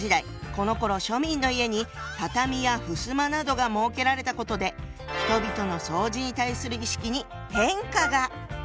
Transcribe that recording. このころ庶民の家に畳やふすまなどが設けられたことで人々の掃除に対する意識に変化が！